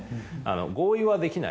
合意はできない。